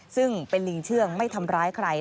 ซึ่งเป็นลิงเชื่องไม่ทำร้ายใคร